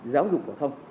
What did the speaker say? giáo dục phổ thông